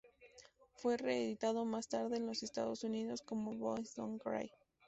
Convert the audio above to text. Fue re-editado más tarde en Estados Unidos como "Boys Don't Cry".